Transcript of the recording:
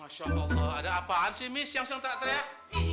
masya allah ada apaan sih mis yang senang teriak